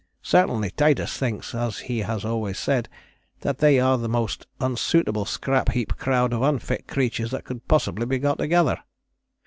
Certainly Titus thinks, as he has always said, that they are the most unsuitable scrap heap crowd of unfit creatures that could possibly be got together."